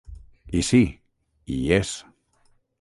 I sí, hi és.